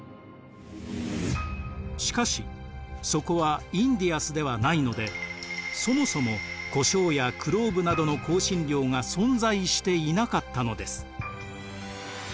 しかしそこはインディアスではないのでそもそもコショウやクローブなどの香辛料が存在していなかったのです。